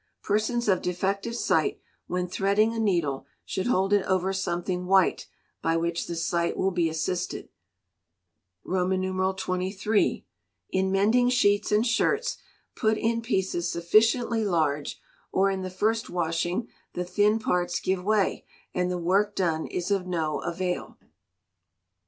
Persons of defective sight, when threading a needle, should hold it over something white, by which the sight will be assisted. xxiii. In mending sheets and shirts, put in pieces sufficiently large, or in the first washing the thin parts give way, and the work done is of no avail.